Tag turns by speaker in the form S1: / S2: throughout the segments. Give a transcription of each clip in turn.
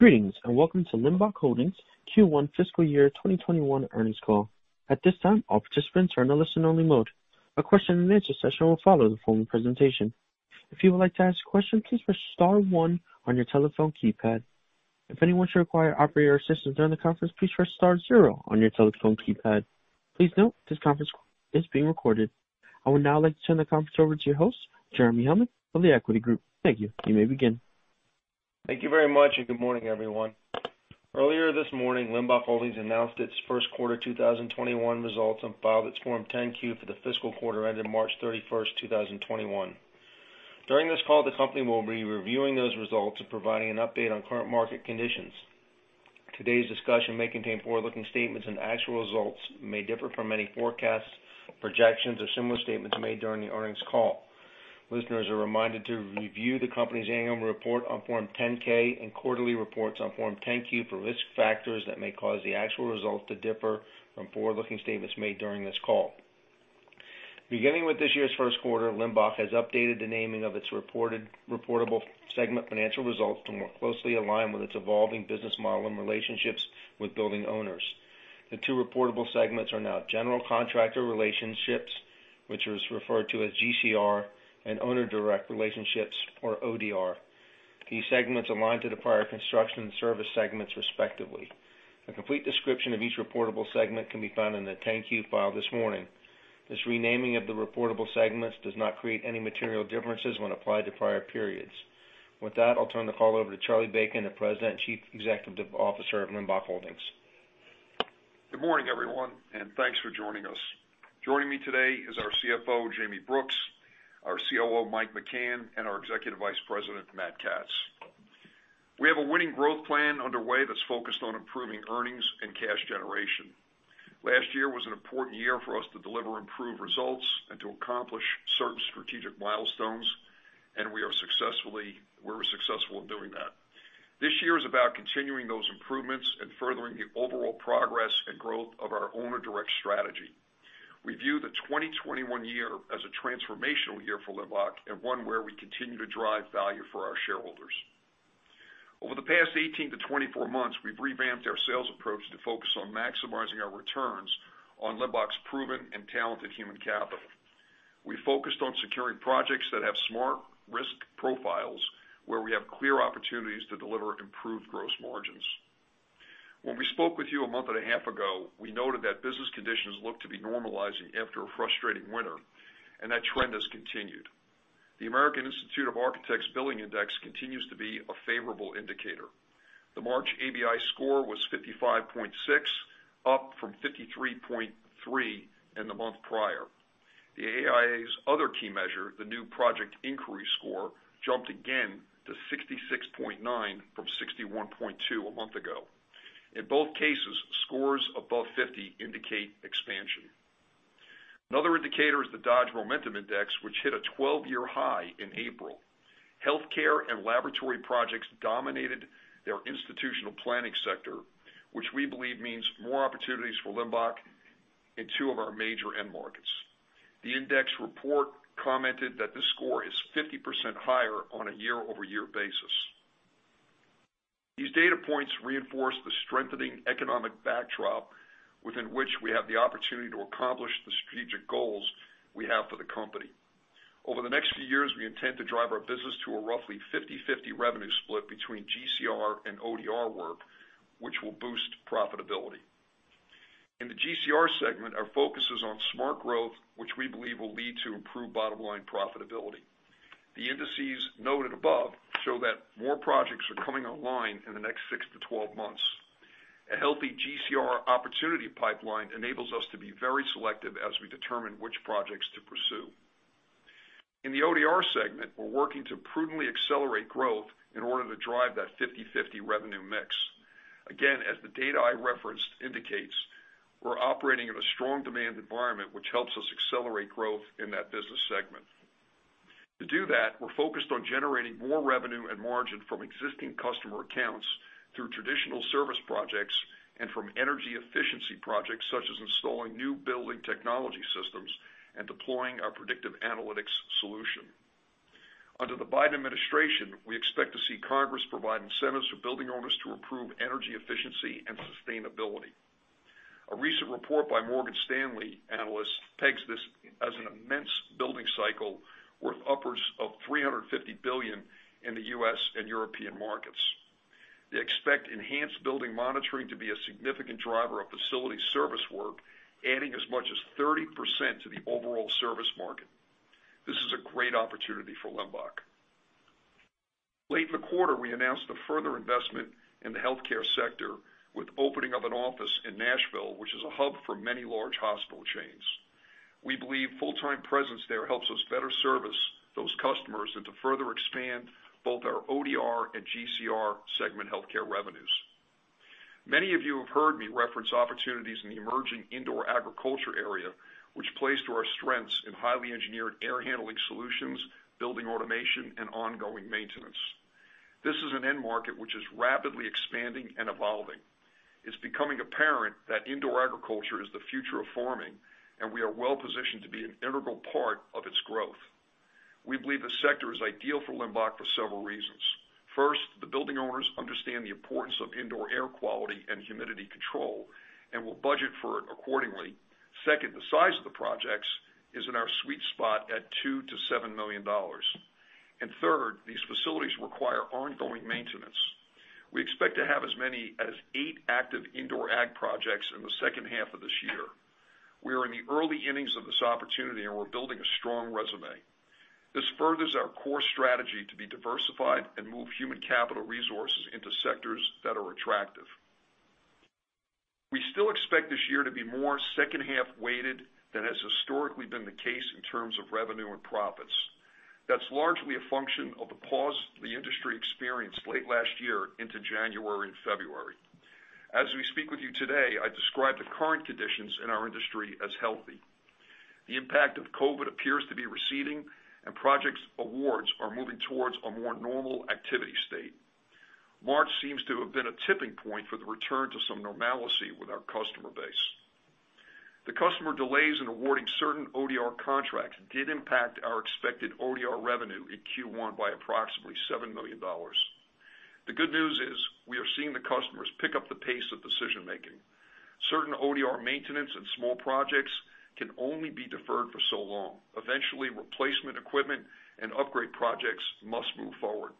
S1: Greetings, and welcome to Limbach Holdings Q1 fiscal year 2021 earnings call. At this time, all participants are in listen-only mode. A question-and-answer session will follow the formal presentation. If you would like to ask a question, please press star one on your telephone keypad. If anyone should require operator assistance during the conference, please press star zero on your telephone keypad. Please note this conference is being recorded. I would now like to turn the conference over to your host, Jeremy Hellman of The Equity Group. Thank you. You may begin.
S2: Thank you very much, and good morning, everyone. Earlier this morning, Limbach Holdings announced its first quarter 2021 results and filed its Form 10-Q for the fiscal quarter ending March 31st, 2021. During this call, the company will be reviewing those results and providing an update on current market conditions. Today's discussion may contain forward-looking statements, and actual results may differ from any forecasts, projections, or similar statements made during the earnings call. Listeners are reminded to review the company's annual report on Form 10-K and quarterly reports on Form 10-Q for risk factors that may cause the actual results to differ from forward-looking statements made during this call. Beginning with this year's first quarter, Limbach has updated the naming of its reportable segment financial results to more closely align with its evolving business model and relationships with building owners. The two reportable segments are now General Contractor Relationships, which is referred to as GCR, and Owner Direct Relationships, or ODR. These segments align to the prior construction service segments respectively. A complete description of each reportable segment can be found in the 10-Q file this morning. This renaming of the reportable segments does not create any material differences when applied to prior periods. With that, I'll turn the call over to Charlie Bacon, the President and Chief Executive Officer of Limbach Holdings.
S3: Good morning, everyone, and thanks for joining us. Joining me today is our CFO, Jayme Brooks, our COO, Mike McCann, and our Executive Vice President, Matt Katz. We have a winning growth plan underway that's focused on improving earnings and cash generation. Last year was an important year for us to deliver improved results and to accomplish certain strategic milestones, and we were successful in doing that. This year is about continuing those improvements and furthering the overall progress and growth of our owner direct strategy. We view the 2021 year as a transformational year for Limbach and one where we continue to drive value for our shareholders. Over the past 18 months-24 months, we've revamped our sales approach to focus on maximizing our returns on Limbach's proven and talented human capital. We focused on securing projects that have smart risk profiles where we have clear opportunities to deliver improved gross margins. When we spoke with you a month and a half ago, we noted that business conditions look to be normalizing after a frustrating winter, and that trend has continued. The American Institute of Architects Billing Index continues to be a favorable indicator. The March ABI score was 55.6, up from 53.3 in the month prior. The AIA's other key measure, the new project inquiry score, jumped again to 66.9 from 61.2 a month ago. In both cases, scores above 50 indicate expansion. Another indicator is the Dodge Momentum Index, which hit a 12-year high in April. Healthcare and laboratory projects dominated their institutional planning sector, which we believe means more opportunities for Limbach in two of our major end markets. The index report commented that this score is 50% higher on a year-over-year basis. These data points reinforce the strengthening economic backdrop within which we have the opportunity to accomplish the strategic goals we have for the company. Over the next few years, we intend to drive our business to a roughly 50/50 revenue split between GCR and ODR work, which will boost profitability. In the GCR segment, our focus is on smart growth, which we believe will lead to improved bottom-line profitability. The indices noted above show that more projects are coming online in the next six to 12 months. A healthy GCR opportunity pipeline enables us to be very selective as we determine which projects to pursue. In the ODR segment, we're working to prudently accelerate growth in order to drive that 50/50 revenue mix. Again, as the data I referenced indicates, we're operating in a strong demand environment, which helps us accelerate growth in that business segment. To do that, we're focused on generating more revenue and margin from existing customer accounts through traditional service projects and from energy efficiency projects, such as installing new building technology systems and deploying our predictive analytics solution. Under the Biden administration, we expect to see Congress provide incentives for building owners to improve energy efficiency and sustainability. A recent report by Morgan Stanley analysts pegs this as an immense building cycle worth upwards of $350 billion in the U.S. and European markets. They expect enhanced building monitoring to be a significant driver of facility service work, adding as much as 30% to the overall service market. This is a great opportunity for Limbach. Late in the quarter, we announced a further investment in the healthcare sector with opening of an office in Nashville, which is a hub for many large hospital chains. We believe full-time presence there helps us better service those customers and to further expand both our ODR and GCR segment healthcare revenues. Many of you have heard me reference opportunities in the emerging indoor agriculture area, which plays to our strengths in highly engineered air handling solutions, building automation, and ongoing maintenance. This is an end market which is rapidly expanding and evolving. Apparent that indoor agriculture is the future of farming, and we are well-positioned to be an integral part of its growth. We believe the sector is ideal for Limbach for several reasons. First, the building owners understand the importance of indoor air quality and humidity control and will budget for it accordingly. Second, the size of the projects is in our sweet spot at $2 million-$7 million. Third, these facilities require ongoing maintenance. We expect to have as many as eight active indoor ag projects in the second half of this year. We are in the early innings of this opportunity, and we're building a strong resume. This furthers our core strategy to be diversified and move human capital resources into sectors that are attractive. We still expect this year to be more second-half weighted than has historically been the case in terms of revenue and profits. That's largely a function of the pause the industry experienced late last year into January and February. As we speak with you today, I describe the current conditions in our industry as healthy. The impact of COVID appears to be receding, project awards are moving towards a more normal activity state. March seems to have been a tipping point for the return to some normalcy with our customer base. The customer delays in awarding certain ODR contracts did impact our expected ODR revenue in Q1 by approximately $7 million. The good news is we are seeing the customers pick up the pace of decision-making. Certain ODR maintenance and small projects can only be deferred for so long. Eventually, replacement equipment and upgrade projects must move forward.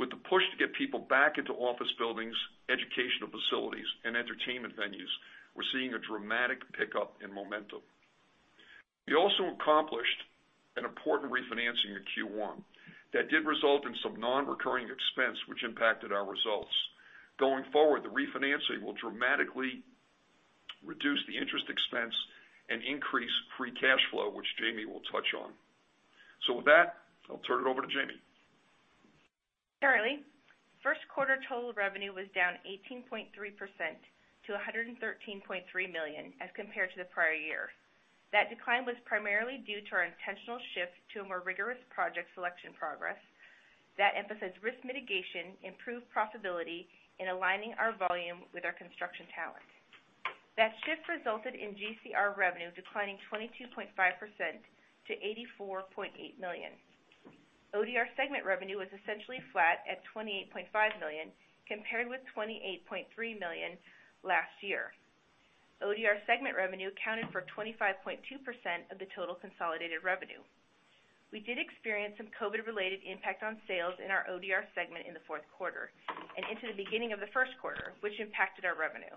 S3: With the push to get people back into office buildings, educational facilities, and entertainment venues, we're seeing a dramatic pickup in momentum. We also accomplished an important refinancing in Q1 that did result in some non-recurring expense, which impacted our results. Going forward, the refinancing will dramatically reduce the interest expense and increase free cash flow, which Jayme will touch on. With that, I'll turn it over to Jayme.
S4: Charlie. First quarter total revenue was down 18.3% to $113.3 million as compared to the prior year. That decline was primarily due to our intentional shift to a more rigorous project selection progress that emphasized risk mitigation, improved profitability, and aligning our volume with our construction talents. That shift resulted in GCR revenue declining 22.5% to $84.8 million. ODR segment revenue was essentially flat at $28.5 million, compared with $28.3 million last year. ODR segment revenue accounted for 25.2% of the total consolidated revenue. We did experience some COVID-related impact on sales in our ODR segment in the fourth quarter and into the beginning of the first quarter, which impacted our revenue.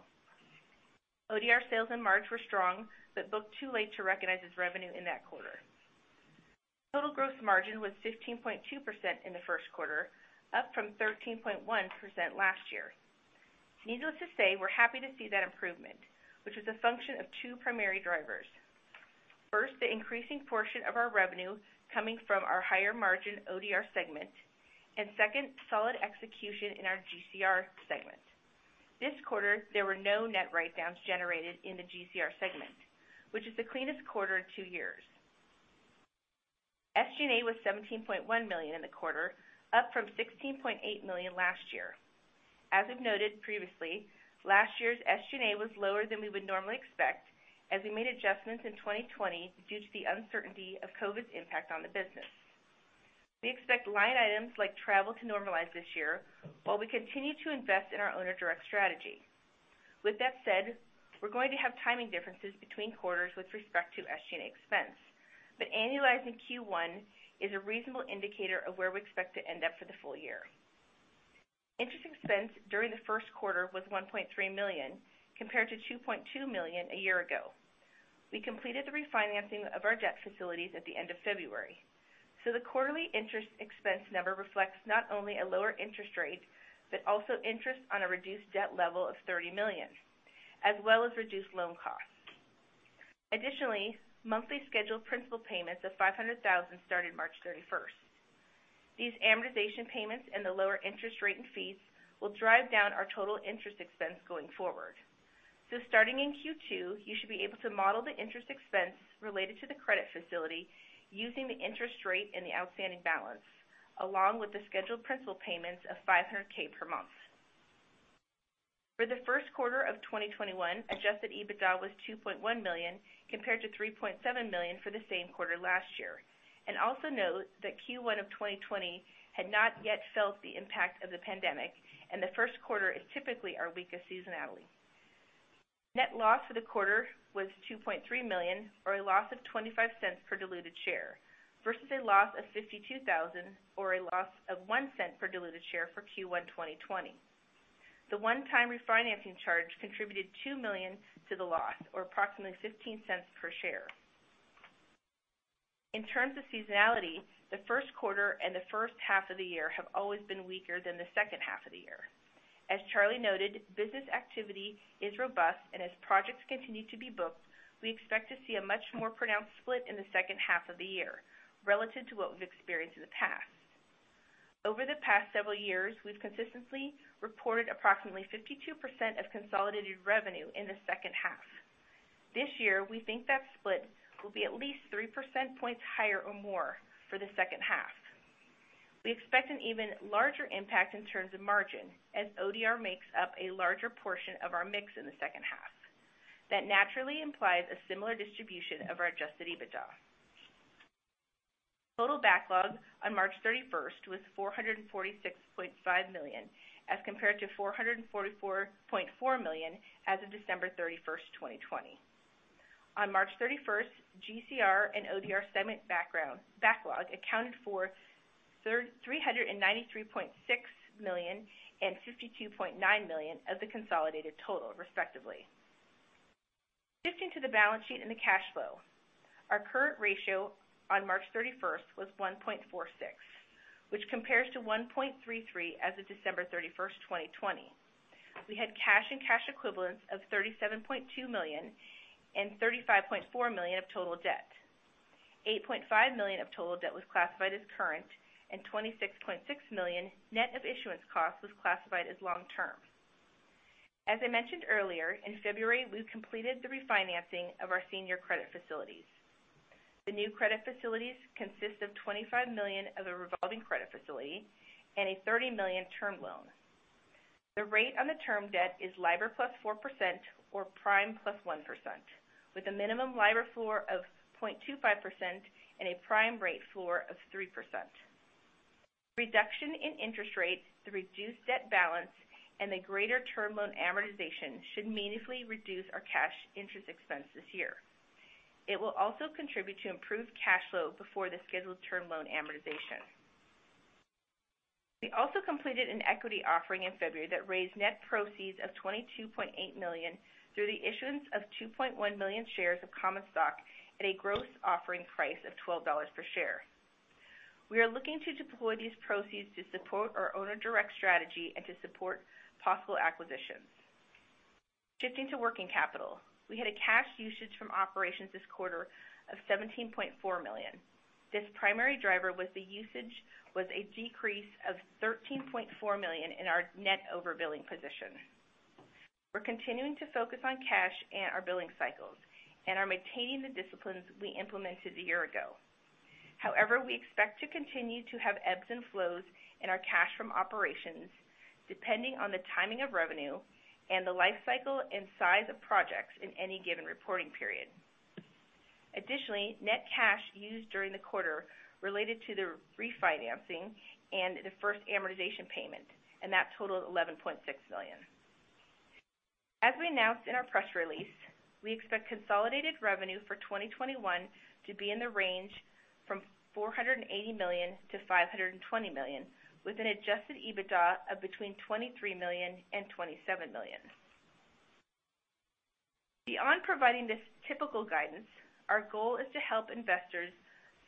S4: ODR sales in March were strong but booked too late to recognize as revenue in that quarter. Total gross margin was 16.2% in the first quarter, up from 13.1% last year. Needless to say, we're happy to see that improvement, which is a function of two primary drivers. First, the increasing portion of our revenue coming from our higher margin ODR segment, second, solid execution in our GCR segment. This quarter, there were no net write-downs generated in the GCR segment, which is the cleanest quarter in two years. SG&A was $17.1 million in the quarter, up from $16.8 million last year. As we've noted previously, last year's SG&A was lower than we would normally expect as we made adjustments in 2020 due to the uncertainty of COVID's impact on the business. We expect line items like travel to normalize this year while we continue to invest in our owner direct strategy. With that said, we're going to have timing differences between quarters with respect to SG&A expense. Annualizing Q1 is a reasonable indicator of where we expect to end up for the full year. Interest expense during the first quarter was $1.3 million, compared to $2.2 million a year ago. We completed the refinancing of our debt facilities at the end of February. The quarterly interest expense number reflects not only a lower interest rate, but also interest on a reduced debt level of $30 million, as well as reduced loan costs. Additionally, monthly scheduled principal payments of $500,000 started March 31st. These amortization payments and the lower interest rate and fees will drive down our total interest expense going forward. Starting in Q2, you should be able to model the interest expense related to the credit facility using the interest rate and the outstanding balance, along with the scheduled principal payments of $500,000 per month. For the first quarter of 2021, adjusted EBITDA was $2.1 million, compared to $3.7 million for the same quarter last year. Also note that Q1 of 2020 had not yet felt the impact of the pandemic, and the first quarter is typically our weakest seasonality. Net loss for the quarter was $2.3 million or a loss of $0.25 per diluted share versus a loss of $52,000 or a loss of $0.01 per diluted share for Q1 2020. The one-time refinancing charge contributed $2 million to the loss, or approximately $0.15 per share. In terms of seasonality, the first quarter and the first half of the year have always been weaker than the second half of the year. As Charlie noted, business activity is robust, and as projects continue to be booked, we expect to see a much more pronounced split in the second half of the year relative to what we've experienced in the past. Over the past several years, we've consistently reported approximately 52% of consolidated revenue in the second half. This year, we think that split will be at least three percentage points higher or more for the second half. We expect an even larger impact in terms of margin, as ODR makes up a larger portion of our mix in the second half. That naturally implies a similar distribution of our adjusted EBITDA. Total backlog on March 31st was $446.5 million, as compared to $444.4 million as of December 31st, 2020. On March 31st, GCR and ODR segment backlog accounted for $393.6 million and $52.9 million of the consolidated total, respectively. Shifting to the balance sheet and the cash flow. Our current ratio on March 31st was 1.46, which compares to 1.33 as of December 31st, 2020. We had cash and cash equivalents of $37.2 million and $35.4 million of total debt. $8.5 million of total debt was classified as current, and $26.6 million net of issuance costs was classified as long-term. As I mentioned earlier, in February, we completed the refinancing of our senior credit facilities. The new credit facilities consist of $25 million of the revolving credit facility and a $30 million term loan. The rate on the term debt is LIBOR +4% or prime +1%, with a minimum LIBOR floor of 0.25% and a prime rate floor of 3%. Reduction in interest rates, the reduced debt balance, and a greater term loan amortization should meaningfully reduce our cash interest expense this year. It will also contribute to improved cash flow before the scheduled term loan amortization. We also completed an equity offering in February that raised net proceeds of $22.8 million through the issuance of 2.1 million shares of common stock at a gross offering price of $12 per share. We are looking to deploy these proceeds to support our owner direct strategy and to support possible acquisitions. Shifting to working capital, we had a cash usage from operations this quarter of $17.4 million. This primary driver was a decrease of $13.4 million in our net overbilling position. We're continuing to focus on cash and our billing cycles and are maintaining the disciplines we implemented a year ago. However, we expect to continue to have ebbs and flows in our cash from operations, depending on the timing of revenue and the life cycle and size of projects in any given reporting period. Additionally, net cash used during the quarter related to the refinancing and the first amortization payment, and that totaled $11.6 million. As we announced in our press release, we expect consolidated revenue for 2021 to be in the range from $480 million-$520 million, with an adjusted EBITDA of between $23 million and $27 million. Beyond providing this typical guidance, our goal is to help investors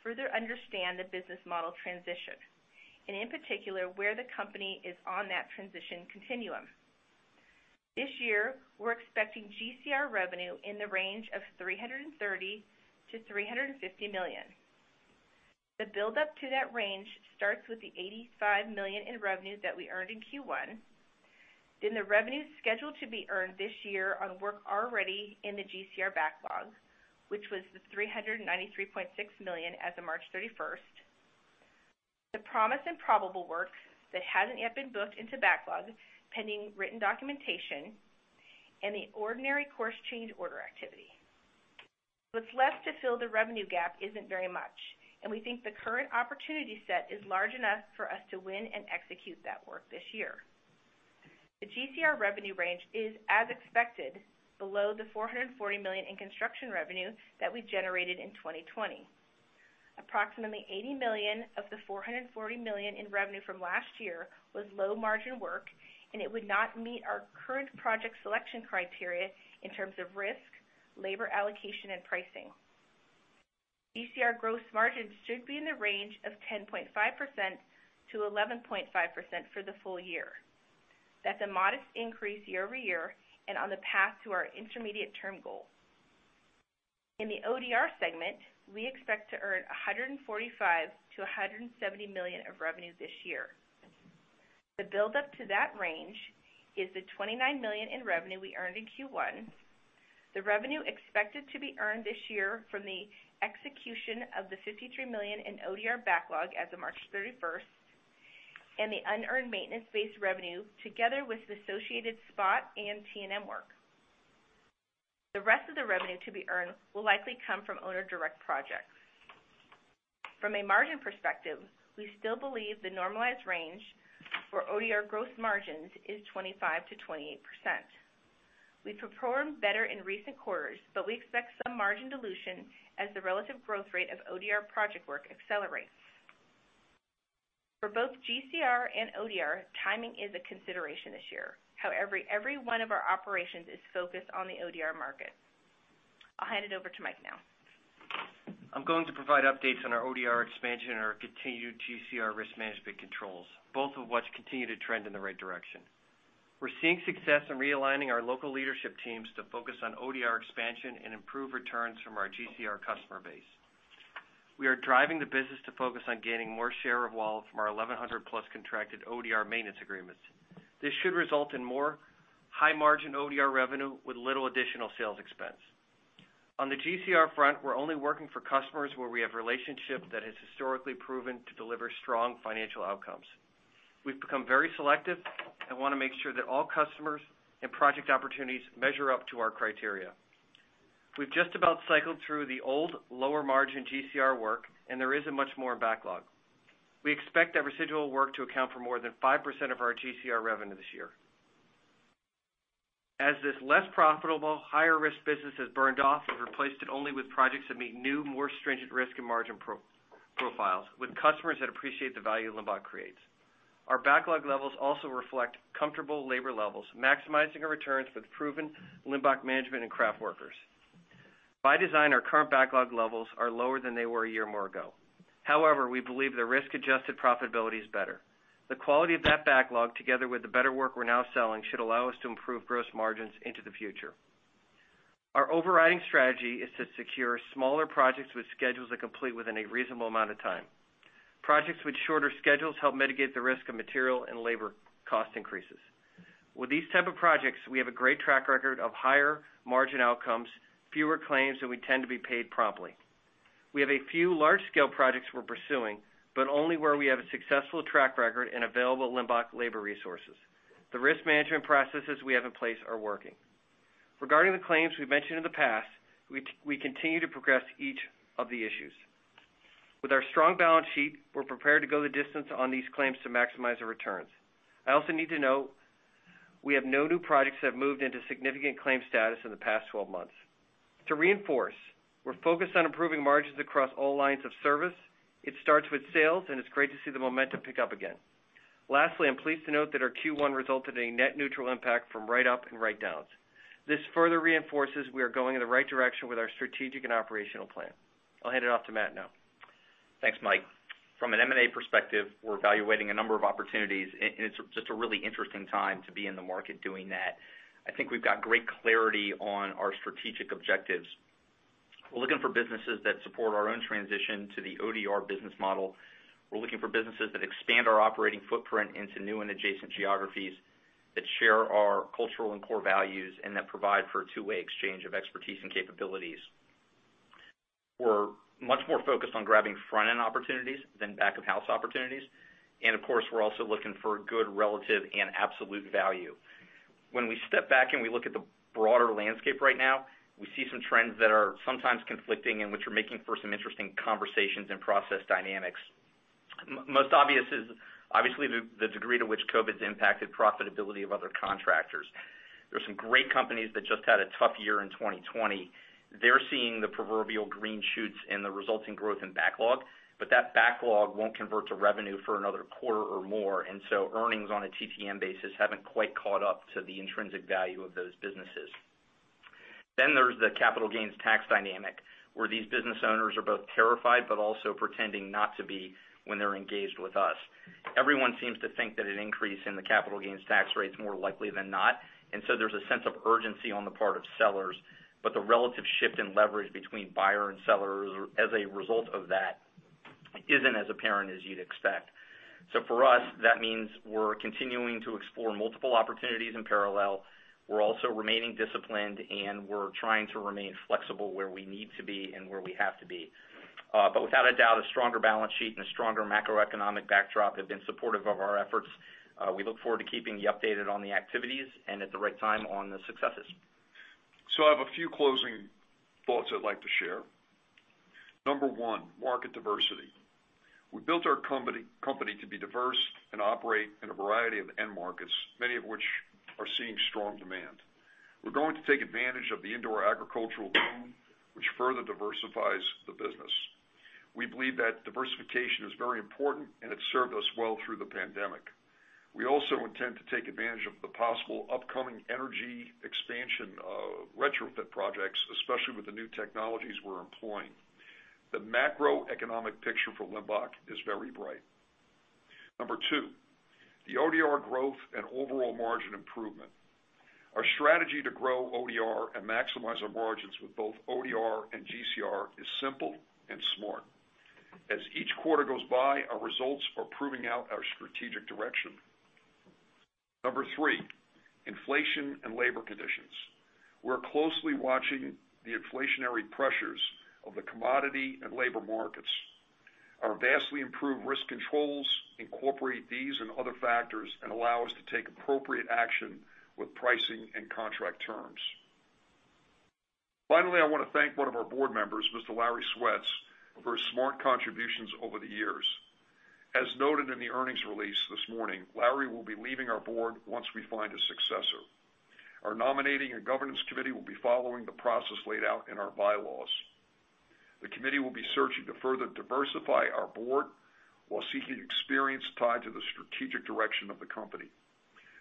S4: further understand the business model transition, and in particular, where the company is on that transition continuum. This year, we're expecting GCR revenue in the range of $330 million-$350 million. The buildup to that range starts with the $85 million in revenues that we earned in Q1, the revenue scheduled to be earned this year on work already in the GCR backlog, which was the $393.6 million as of March 31st, the promise and probable works that hadn't yet been booked into backlog, pending written documentation, and the ordinary course change order activity. What's left to fill the revenue gap isn't very much, and we think the current opportunity set is large enough for us to win and execute that work this year. The GCR revenue range is as expected, below the $440 million in construction revenue that we generated in 2020. Approximately $80 million of the $440 million in revenue from last year was low-margin work, and it would not meet our current project selection criteria in terms of risk, labor allocation, and pricing. GCR gross margins should be in the range of 10.5%-11.5% for the full year. That's a modest increase year-over-year and on the path to our intermediate-term goal. In the ODR segment, we expect to earn $145 million-$170 million of revenue this year. The buildup to that range is the $29 million in revenue we earned in Q1. The revenue expected to be earned this year from the execution of the $52 million in ODR backlog as of March 31st and the unearned maintenance-based revenue together with associated spot and T&M work. The rest of the revenue to be earned will likely come from owner direct projects. From a margin perspective, we still believe the normalized range for ODR gross margins is 25%-28%. We performed better in recent quarters, we expect some margin dilution as the relative growth rate of ODR project work accelerates. For both GCR and ODR, timing is a consideration this year. Every one of our operations is focused on the ODR market. I'll hand it over to Mike now.
S5: I'm going to provide updates on our ODR expansion and our continued GCR risk management controls, both of which continue to trend in the right direction. We're seeing success in realigning our local leadership teams to focus on ODR expansion and improve returns from our GCR customer base. We are driving the business to focus on gaining more share of wallet from our 1,100+ contracted ODR maintenance agreements. This should result in more high-margin ODR revenue with little additional sales expense. On the GCR front, we're only working for customers where we have a relationship that has historically proven to deliver strong financial outcomes. We've become very selective and want to make sure that all customers and project opportunities measure up to our criteria. We've just about cycled through the old lower margin GCR work, and there isn't much more backlog. We expect that residual work to account for more than 5% of our GCR revenue this year. As this less profitable, higher risk business has burned off and replaced it only with projects that meet new, more stringent risk and margin profiles with customers that appreciate the value Limbach creates. Our backlog levels also reflect comfortable labor levels, maximizing our returns with proven Limbach management and craft workers. By design, our current backlog levels are lower than they were a year or more ago. We believe their risk-adjusted profitability is better. The quality of that backlog, together with the better work we're now selling, should allow us to improve gross margins into the future. Our overriding strategy is to secure smaller projects with schedules that complete within a reasonable amount of time. Projects with shorter schedules help mitigate the risk of material and labor cost increases. With these type of projects, we have a great track record of higher margin outcomes, fewer claims that we tend to be paid promptly. We have a few large-scale projects we're pursuing, but only where we have a successful track record and available Limbach labor resources. The risk management processes we have in place are working. Regarding the claims we've mentioned in the past, we continue to progress each of the issues. With our strong balance sheet, we're prepared to go the distance on these claims to maximize our returns. I also need to note we have no new projects that have moved into significant claim status in the past 12 months. To reinforce, we're focused on improving margins across all lines of service. It starts with sales, it's great to see the momentum pick up again. I'm pleased to note that our Q1 resulted in a net neutral impact from write-up and write-downs. This further reinforces we are going in the right direction with our strategic and operational plan. I'll hand it off to Matt now.
S6: Thanks, Mike. From an M&A perspective, we're evaluating a number of opportunities. It's just a really interesting time to be in the market doing that. I think we've got great clarity on our strategic objectives. We're looking for businesses that support our own transition to the ODR business model. We're looking for businesses that expand our operating footprint into new and adjacent geographies that share our cultural and core values and that provide for a two-way exchange of expertise and capabilities. We're much more focused on grabbing front-end opportunities than back-of-house opportunities. Of course, we're also looking for good relative and absolute value. When we step back and we look at the broader landscape right now, we see some trends that are sometimes conflicting and which are making for some interesting conversations and process dynamics. Most obvious is obviously the degree to which COVID's impacted profitability of other contractors. There's some great companies that just had a tough year in 2020. They're seeing the proverbial green shoots and the resulting growth in backlog, but that backlog won't convert to revenue for another quarter or more, and so earnings on a TTM basis haven't quite caught up to the intrinsic value of those businesses. There's the capital gains tax dynamic, where these business owners are both terrified but also pretending not to be when they're engaged with us. Everyone seems to think that an increase in the capital gains tax rate is more likely than not, and so there's a sense of urgency on the part of sellers, but the relative shift in leverage between buyer and seller as a result of that isn't as apparent as you'd expect. For us, that means we're continuing to explore multiple opportunities in parallel. We're also remaining disciplined, and we're trying to remain flexible where we need to be and where we have to be. Without a doubt, a stronger balance sheet and a stronger macroeconomic backdrop have been supportive of our efforts. We look forward to keeping you updated on the activities and at the right time on the successes.
S3: I have a few closing thoughts I'd like to share. Number one, market diversity. We built our company to be diverse and operate in a variety of end markets, many of which are seeing strong demand. We're going to take advantage of the indoor agricultural boom, which further diversifies the business. We believe that diversification is very important, and it served us well through the pandemic. We also intend to take advantage of the possible upcoming energy expansion retrofit projects, especially with the new technologies we're employing. The macroeconomic picture for Limbach is very bright. Number two, the ODR growth and overall margin improvement. Our strategy to grow ODR and maximize our margins with both ODR and GCR is simple and smart. As each quarter goes by, our results are proving out our strategic direction. Number three, inflation and labor conditions. We're closely watching the inflationary pressures of the commodity and labor markets. Our vastly improved risk controls incorporate these and other factors and allow us to take appropriate action with pricing and contract terms. Finally, I want to thank one of our board members, Mr. Larry Swets, for his smart contributions over the years. As noted in the earnings release this morning, Larry will be leaving our board once we find a successor. Our nominating and governance committee will be following the process laid out in our bylaws. The committee will be searching to further diversify our board while seeking experience tied to the strategic direction of the company.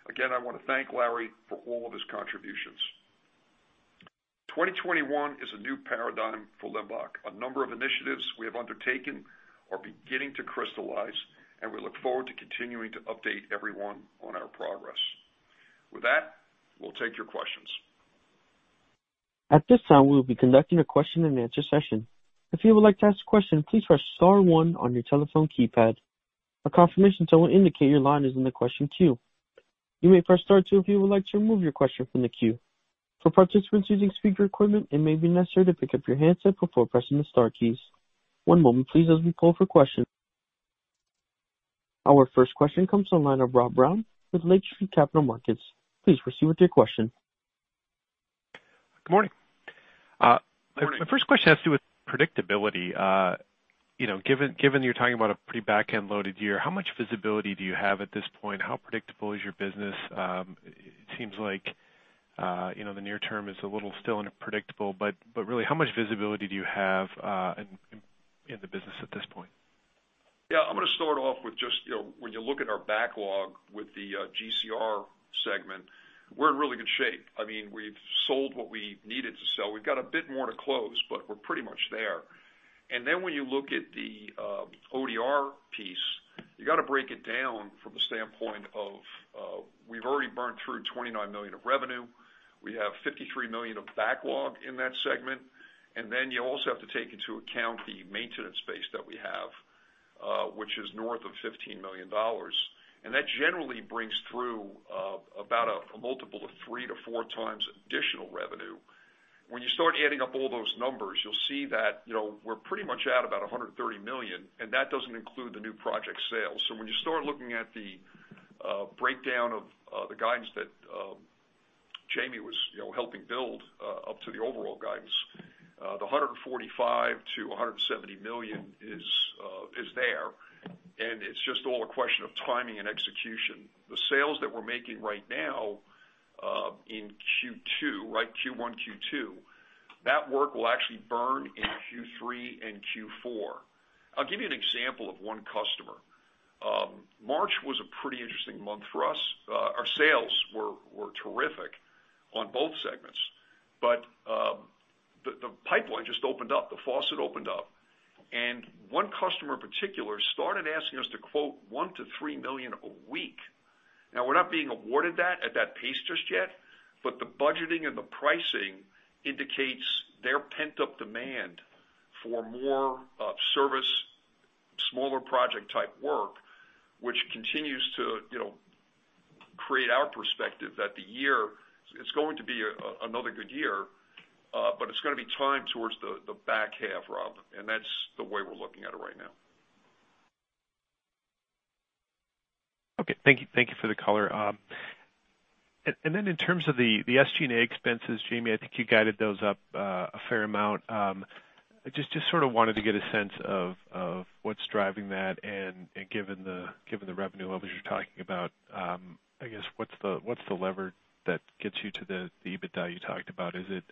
S3: Again, I want to thank Larry for all of his contributions. 2021 is a new paradigm for Limbach. A number of initiatives we have undertaken are beginning to crystallize, and we look forward to continuing to update everyone on our progress. With that, we'll take your questions.
S1: At this time, we'll be conducting a question and answer session. If you would like to ask a question, please press star one on your telephone keypad. A confirmation tone will indicate your line is in the queue. You may press star two if you would like to remove your question from the queue. For participants using speaker equipment, it may be necessary to pick up your handset before pressing the star keys. One moment please, as we poll for questions. Our first question comes from the line of Rob Brown with Lake Street Capital Markets. Please proceed with your question.
S7: Good morning. My first question has to do with predictability. Given you're talking about a pretty back-end loaded year, how much visibility do you have at this point? How predictable is your business? It seems like the near term is a little still unpredictable, but really how much visibility do you have in the business at this point?
S3: I'm going to start off with just when you look at our backlog with the GCR segment, we're in really good shape. We've sold what we needed to sell. We've got a bit more to close, but we're pretty much there. When you look at the ODR piece, you got to break it down from the standpoint of we've already burned through $29 million of revenue. We have $53 million of backlog in that segment. You also have to take into account the maintenance base that we have, which is north of $15 million. That generally brings through about a multiple of three to four times additional revenue. When you start adding up all those numbers, you'll see that we're pretty much at about $130 million, and that doesn't include the new project sales. When you start looking at the breakdown of the guidance that Jayme was helping build up to the overall guidance, the $145 million-$170 million is there, and it's just all a question of timing and execution. The sales that we're making right now in Q1, Q2, that work will actually burn in Q3 and Q4. I'll give you an example of one customer. March was a pretty interesting month for us. Our sales were terrific on both segments. The pipeline just opened up, the faucet opened up, and one customer in particular started asking us to quote $1 million-$3 million a week. We're not being awarded that at that pace just yet, but the budgeting and the pricing indicates their pent-up demand for more service, smaller project type work, which continues to create our perspective that the year is going to be another good year, but it's going to be timed towards the back half, Rob, and that's the way we're looking at it right now.
S7: Okay. Thank you for the color. In terms of the SG&A expenses, Jayme, I think you guided those up a fair amount. I just sort of wanted to get a sense of what's driving that, and given the revenue levels you're talking about, I guess, what's the lever that gets you to the EBITDA you talked about? Is it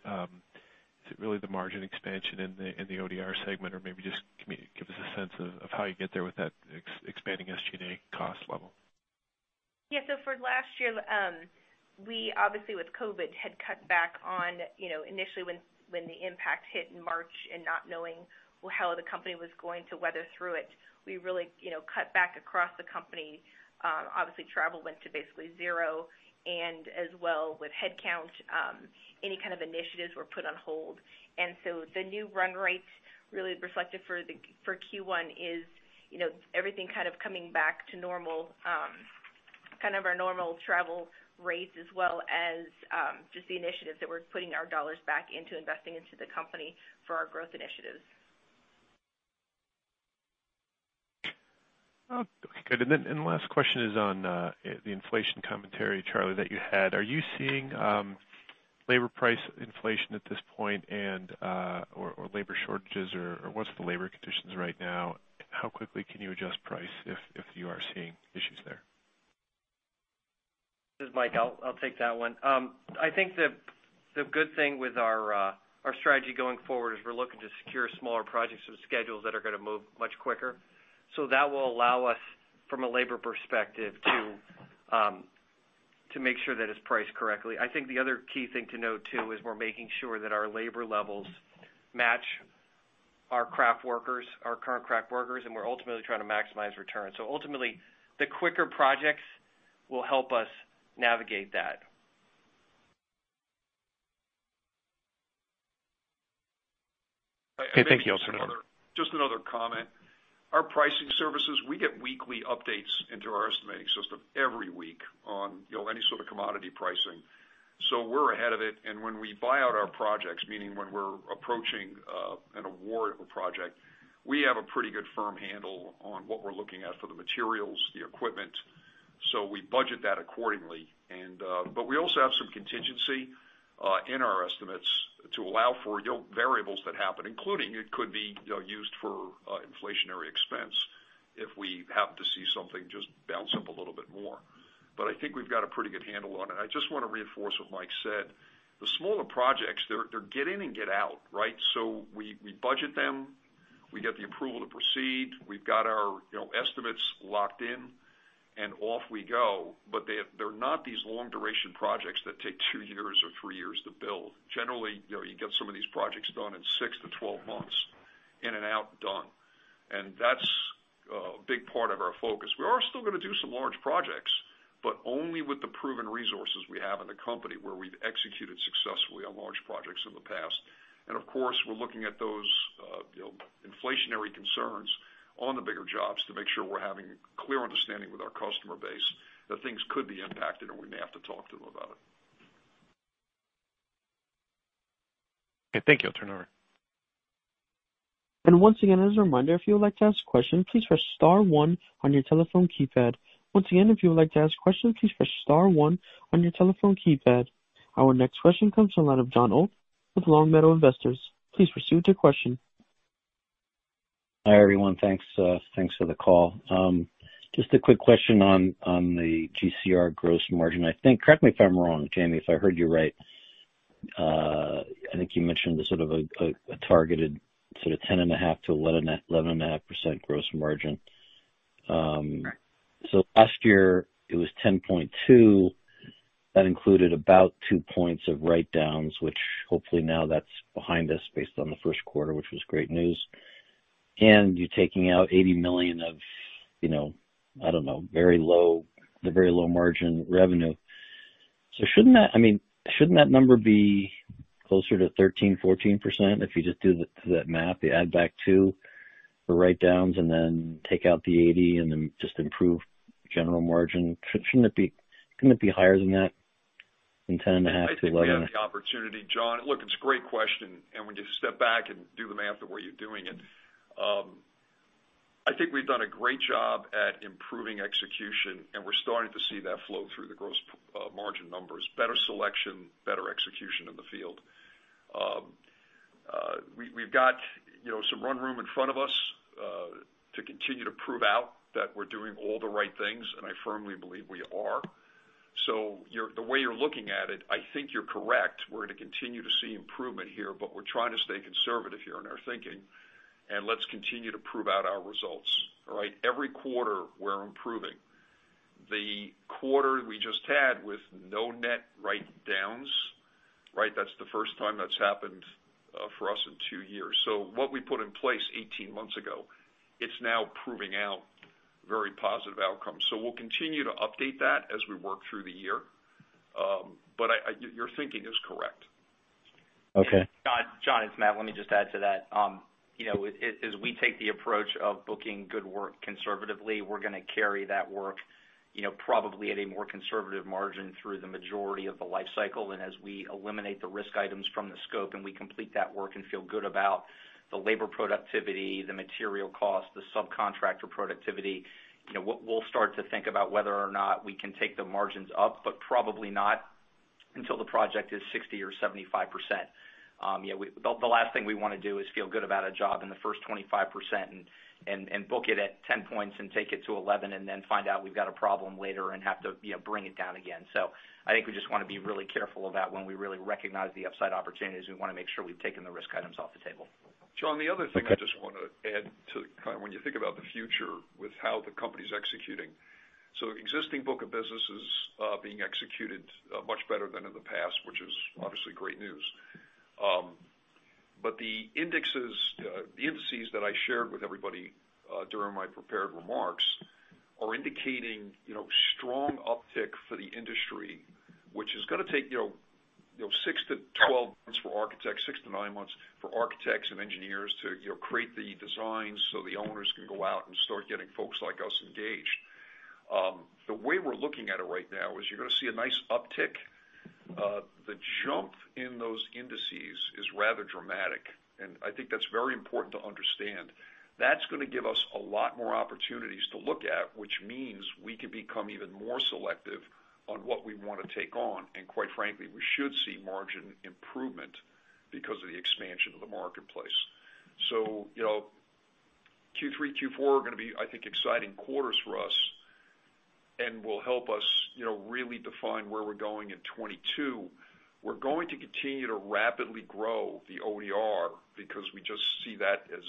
S7: really the margin expansion in the ODR segment? Maybe just give us a sense of how you get there with that expanding SG&A cost level.
S4: For last year, we obviously with COVID had cut back on initially when the impact hit in March and not knowing how the company was going to weather through it. We really cut back across the company. Obviously travel went to basically zero. With headcount, any kind of initiatives were put on hold. The new run rates really reflective for Q1 is everything kind of coming back to normal, kind of our normal travel rates as well as just the initiatives that we're putting our dollars back into investing into the company for our growth initiatives.
S7: Okay, good. The last question is on the inflation commentary, Charlie, that you had. Are you seeing labor price inflation at this point or labor shortages, or what's the labor conditions right now? How quickly can you adjust price if you are seeing issues there?
S5: This is Mike. I'll take that one. I think the good thing with our strategy going forward is we're looking to secure smaller projects with schedules that are going to move much quicker. That will allow us from a labor perspective to make sure that it's priced correctly. I think the other key thing to note too is we're making sure that our labor levels match our current craft workers, and we're ultimately trying to maximize returns. Ultimately, the quicker projects will help us navigate that.
S7: Okay. Thank you. I'll send it on.
S3: Just another comment. Our pricing services, we get weekly updates into our estimating system every week on any sort of commodity pricing. We're ahead of it. When we buy out our projects, meaning when we're approaching an award of a project, we have a pretty good firm handle on what we're looking at for the materials, the equipment. We budget that accordingly. We also have some contingency in our estimates to allow for variables that happen, including it could be used for inflationary expense if we have to see something just bounce up a little bit more. I think we've got a pretty good handle on it. I just want to reinforce what Mike said. The smaller projects, they're get in and get out, right? We budget them, we get the approval to proceed, we've got our estimates locked in, and off we go. They're not these long duration projects that take two years or three years to build. Generally, you get some of these projects done in six to 12 months, in and out done. That's a big part of our focus. We are still going to do some large projects, but only with the proven company where we've executed successfully on large projects in the past. Of course, we're looking at those inflationary concerns on the bigger jobs to make sure we're having clear understanding with our customer base that things could be impacted, and we may have to talk to them about it.
S7: Okay. Thank you, I'll turn it over.
S1: Once again, as a reminder, if you would like to ask questions, please press star one on your telephone keypad. Once again, if you would like to ask questions, please press star one on your telephone keypad. Our next question comes from the line of Jon Old with Long Meadow Investors. Please proceed with your question.
S8: Hi, everyone. Thanks for the call. Just a quick question on the GCR gross margin. I think, correct me if I'm wrong, Jayme, if I heard you right, I think you mentioned a targeted 10.5%-11.5% gross margin. Last year it was 10.2%. That included about two points of write-downs, which hopefully now that's behind us based on the first quarter, which was great news. You're taking out $80 million of, I don't know, the very low-margin revenue. Shouldn't that number be closer to 13%-14% if you just do that math, you add back two for write-downs and then take out the $80 million and then just improve general margin? Shouldn't it be higher than that, than 10.5%-11%?
S3: I think we have an opportunity, Jon. Look, it's a great question. When you step back and do the math the way you're doing it. I think we've done a great job at improving execution. We're starting to see that flow through the gross margin numbers. Better selection, better execution in the field. We've got some run room in front of us to continue to prove out that we're doing all the right things. I firmly believe we are. The way you're looking at it, I think you're correct. We're going to continue to see improvement here. We're trying to stay conservative here in our thinking. Let's continue to prove out our results. Every quarter we're improving. The quarter we just had with no net write-downs. That's the first time that's happened for us in two years. What we put in place 18 months ago, it's now proving out very positive outcomes. We'll continue to update that as we work through the year. Your thinking is correct.
S8: Okay.
S6: Jon, it's Matt. Let me just add to that. As we take the approach of booking good work conservatively, we're going to carry that work probably at a more conservative margin through the majority of the life cycle. As we eliminate the risk items from the scope and we complete that work and feel good about the labor productivity, the material cost, the subcontractor productivity, we'll start to think about whether or not we can take the margins up, but probably not until the project is 60% or 75%. The last thing we want to do is feel good about a job in the first 25% and book it at 10 points and take it to 11 and then find out we've got a problem later and have to bring it down again. I think we just want to be really careful of that when we really recognize the upside opportunities. We want to make sure we've taken the risk items off the table.
S3: Jon, the other thing I just want to add to kind of when you think about the future with how the company's executing. Existing book of business is being executed much better than in the past, which is obviously great news. The indices that I shared with everybody during my prepared remarks are indicating strong uptick for the industry, which is going to take six to 12 months for architects, six to nine months for architects and engineers to create the designs so the owners can go out and start getting folks like us engaged. The way we're looking at it right now is you're going to see a nice uptick. The jump in those indices is rather dramatic, and I think that's very important to understand. That's going to give us a lot more opportunities to look at, which means we can become even more selective on what we want to take on. Quite frankly, we should see margin improvement because of the expansion of the marketplace. Q3, Q4 are going to be, I think, exciting quarters for us and will help us really define where we're going in 2022. We're going to continue to rapidly grow the ODR because we just see that as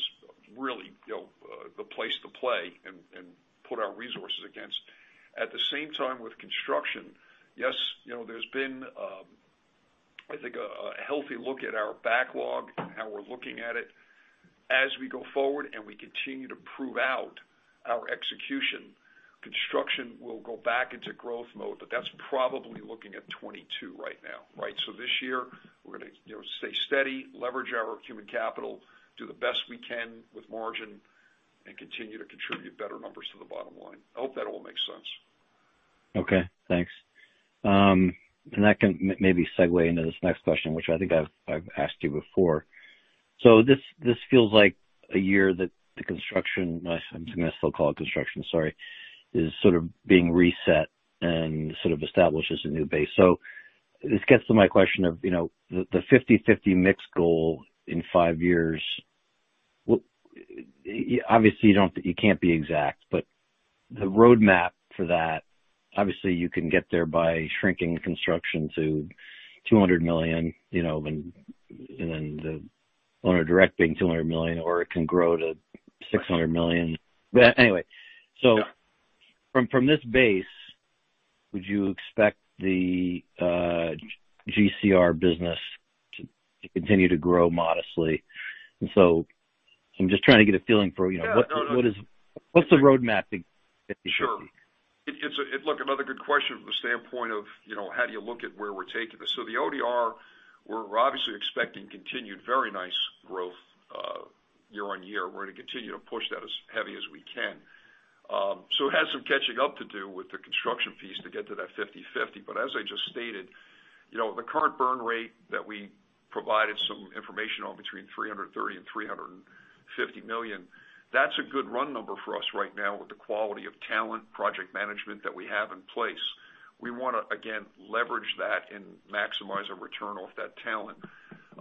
S3: really the place to play and put our resources against. At the same time with construction, yes, there's been, I think, a healthy look at our backlog and how we're looking at it. As we go forward and we continue to prove out our execution, construction will go back into growth mode. That's probably looking at 2022 right now. This year we're going to stay steady, leverage our human capital, do the best we can with margin, and continue to contribute better numbers to the bottom line. I hope that all makes sense.
S8: Okay, thanks. That can maybe segue into this next question, which I think I've asked you before. This feels like a year that the construction, I'm going to still call it construction, sorry, is sort of being reset and sort of establishes a new base. This gets to my question of the 50/50 mix goal in five years. Obviously, you can't be exact, the roadmap for that, obviously, you can get there by shrinking the construction to $200 million and then the owner direct being $200 million, or it can grow to $600 million. From this base, would you expect the GCR business to continue to grow modestly? I'm just trying to get a feeling for what's the roadmap that you see here?
S3: Sure. It's another good question from the standpoint of how do you look at where we're taking this. The ODR, we're obviously expecting continued very nice growth year-on-year. We're going to continue to push that as heavy as we can. It has some catching up to do with the construction piece to get to that 50/50. As I just stated, the current burn rate that we provided some information on between $330 million and $350 million, that's a good run number for us right now with the quality of talent project management that we have in place. We want to, again, leverage that and maximize our return off that talent.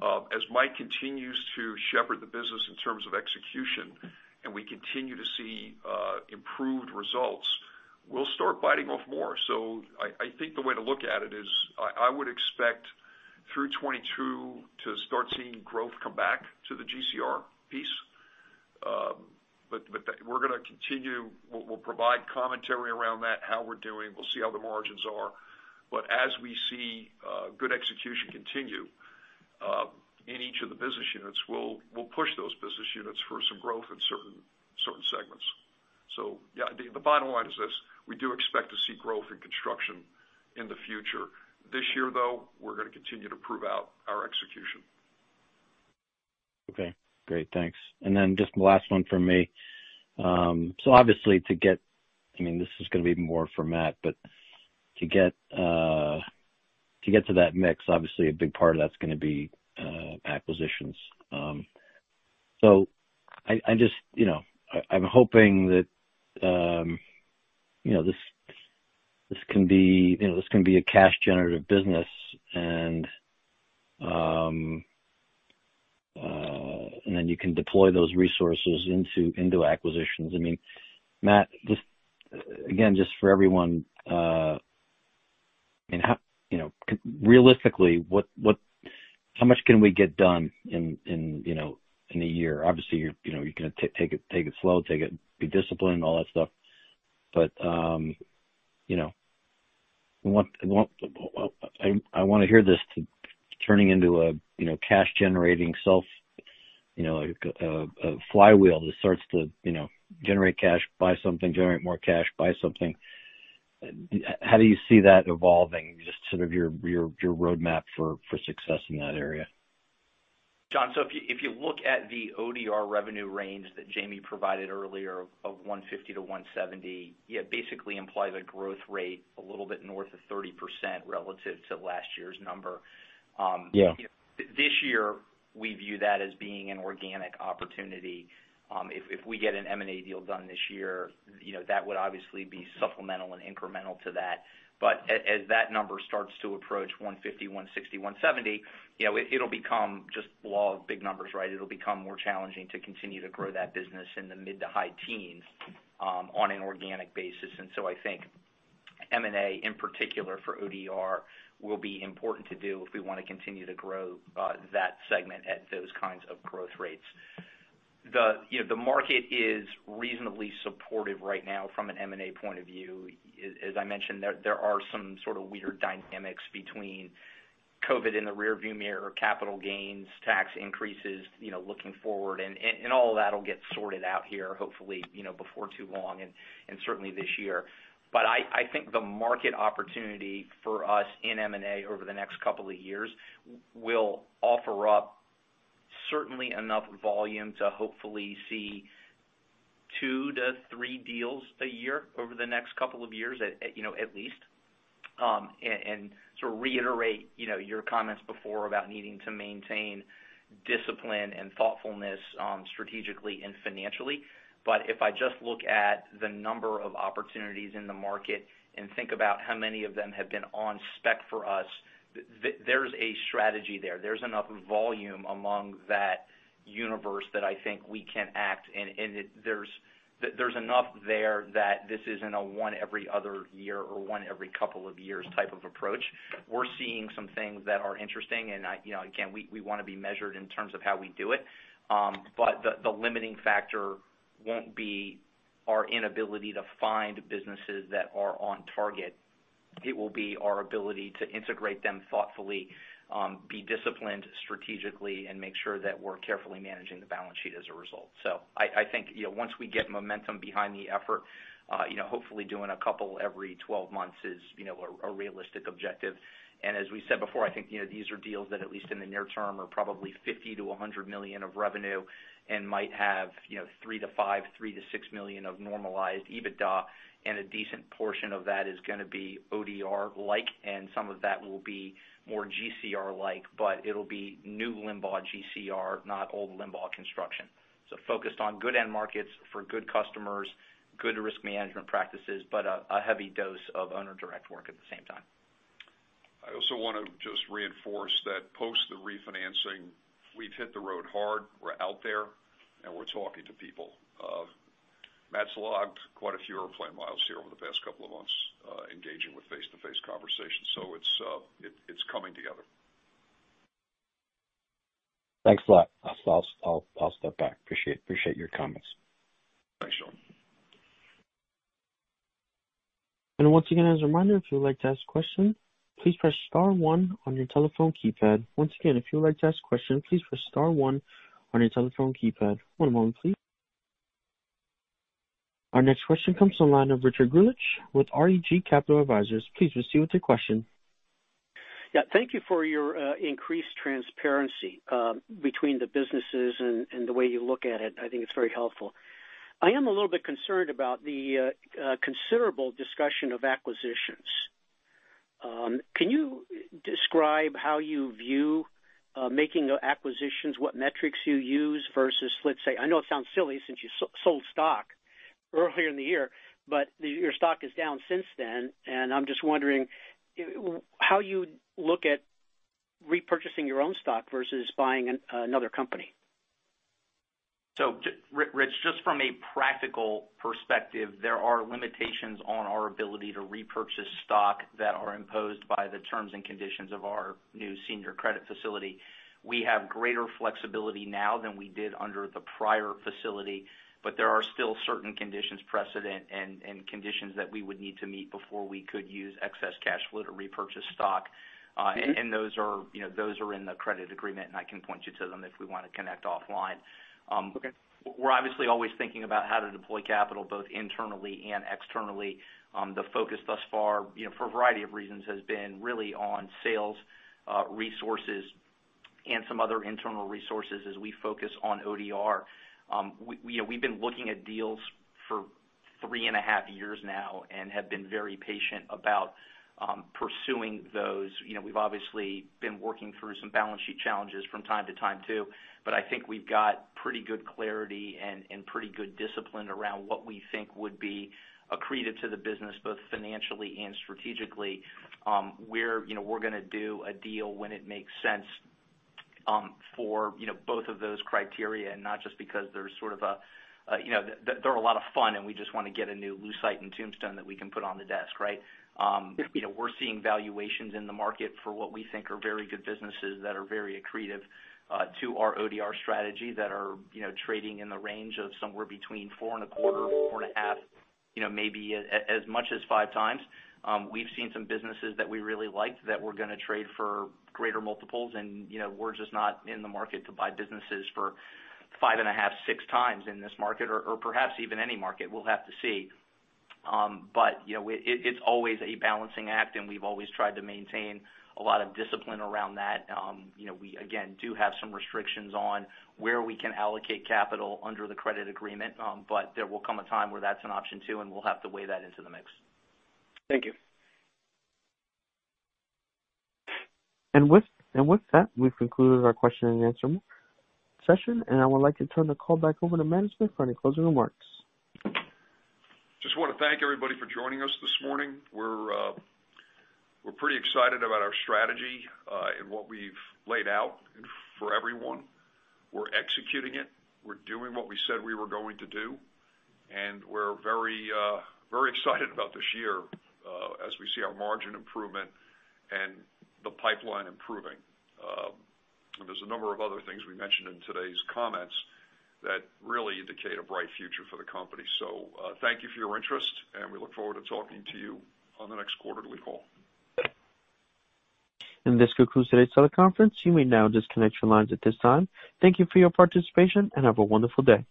S3: As Mike continues to shepherd the business in terms of execution, and we continue to see improved results, we'll start biting off more. I think the way to look at it is I would expect through 2022 to start seeing growth come back to the GCR piece. We're going to continue. We'll provide commentary around that, how we're doing. We'll see how the margins are. As we see good execution continue in each of the business units, we'll push those business units for some growth in certain segments. I think the bottom line is this, we do expect to see growth in construction in the future. This year, though, we're going to continue to prove out our execution.
S8: Okay. Great. Thanks. Just the last one from me. Obviously to get, this is going to be more for Matt, but to get to that mix, obviously a big part of that's going to be acquisitions. I'm hoping that this can be a cash generative business, and then you can deploy those resources into acquisitions. Matt, again, just for everyone, realistically, how much can we get done in a year? Obviously, you're going to take it slow, be disciplined, all that stuff. I want to hear this turning into a cash generating flywheel that starts to generate cash, buy something, generate more cash, buy something. How do you see that evolving? Just sort of your roadmap for success in that area.
S6: John, if you look at the ODR revenue range that Jayme provided earlier of $150-$170, basically implies a growth rate a little bit north of 30% relative to last year's number.
S8: Yeah.
S6: This year, we view that as being an organic opportunity. If we get an M&A deal done this year, that would obviously be supplemental and incremental to that. As that number starts to approach 150, 160, 170, it'll become just law of big numbers, right? It'll become more challenging to continue to grow that business in the mid to high-teens on an organic basis. I think M&A in particular for ODR will be important to do if we want to continue to grow that segment at those kinds of growth rates. The market is reasonably supportive right now from an M&A point of view. As I mentioned, there are some sort of weird dynamics between COVID in the rear view mirror, capital gains, tax increases looking forward, and all that will get sorted out here, hopefully, before too long and certainly this year. I think the market opportunity for us in M&A over the next couple of years will offer up certainly enough volume to hopefully see two to three deals a year over the next couple of years, at least. To reiterate your comments before about needing to maintain discipline and thoughtfulness strategically and financially. If I just look at the number of opportunities in the market and think about how many of them have been on spec for us, there's a strategy there. There's enough volume among that universe that I think we can act, and there's enough there that this isn't a one every other year or one every couple of years type of approach. We're seeing some things that are interesting, and again, we want to be measured in terms of how we do it. The limiting factor won't be our inability to find businesses that are on target. It will be our ability to integrate them thoughtfully, be disciplined strategically, and make sure that we're carefully managing the balance sheet as a result. I think once we get momentum behind the effort, hopefully doing a couple every 12 months is a realistic objective. As we said before, I think these are deals that at least in the near term are probably $50 million-$100 million of revenue and might have $3 million-$5 million, $3 million-$6 million of normalized EBITDA, and a decent portion of that is going to be ODR-like, and some of that will be more GCR-like, but it'll be new Limbach GCR, not old Limbach construction. Focused on good end markets for good customers, good risk management practices, but a heavy dose of owner direct work at the same time.
S3: I also want to just reinforce that post the refinancing, we've hit the road hard. We're out there and we're talking to people. Matt's logged quite a few airplane miles here over the past couple of months engaging with face-to-face conversations. It's coming together.
S8: Thanks a lot. I'll pass that back. Appreciate your comments.
S1: Once again, as a reminder, if you would like to ask a question, please press star one on your telephone keypad. Once again, if you would like to ask a question, please press star one on your telephone keypad. One moment, please. Our next question comes on the line of Richard Greulich with REG Capital Advisors. Please proceed with your question.
S9: Yeah. Thank you for your increased transparency between the businesses and the way you look at it. I think it's very helpful. I am a little bit concerned about the considerable discussion of acquisitions. Can you describe how you view making acquisitions, what metrics you use versus, let's say, I know it sounds silly since you sold stock earlier in the year, but your stock is down since then, and I'm just wondering how you look at repurchasing your own stock versus buying another company.
S6: Rich, just from a practical perspective, there are limitations on our ability to repurchase stock that are imposed by the terms and conditions of our new senior credit facility. We have greater flexibility now than we did under the prior facility, but there are still certain conditions precedent and conditions that we would need to meet before we could use excess cash flow to repurchase stock.
S9: Okay.
S6: Those are in the credit agreement, and I can point you to them if we want to connect offline.
S9: Okay.
S6: We're obviously always thinking about how to deploy capital both internally and externally. The focus thus far, for a variety of reasons, has been really on sales resources and some other internal resources as we focus on ODR. We've been looking at deals for three and a half years now and have been very patient about pursuing those. We've obviously been working through some balance sheet challenges from time to time too. I think we've got pretty good clarity and pretty good discipline around what we think would be accretive to the business, both financially and strategically. We're going to do a deal when it makes sense for both of those criteria and not just because they're a lot of fun and we just want to get a new Lucite and tombstone that we can put on the desk, right?
S9: Yeah.
S6: We're seeing valuations in the market for what we think are very good businesses that are very accretive to our ODR strategy, that are trading in the range of somewhere between four and a quarter, four and a half, maybe as much as five times. We've seen some businesses that we really like that we're going to trade for greater multiples, and we're just not in the market to buy businesses for five and a half, six times in this market or perhaps even any market, we'll have to see. It's always a balancing act, and we've always tried to maintain a lot of discipline around that. We again, do have some restrictions on where we can allocate capital under the credit agreement. There will come a time where that's an option too, and we'll have to weigh that into the mix.
S9: Thank you.
S1: With that, we've concluded our question and answer session, and I would like to turn the call back over to management for any closing remarks.
S3: just want to thank everybody for joining us this morning. We're pretty excited about our strategy and what we've laid out for everyone. We're executing it. We're doing what we said we were going to do, and we're very excited about this year as we see our margin improvement and the pipeline improving. There's a number of other things we mentioned in today's comments that really indicate a bright future for the company. We thank you for your interest, and we look forward to talking to you on the next quarterly call.
S1: This concludes today's teleconference. You may now disconnect your lines at this time. Thank you for your participation and have a wonderful day.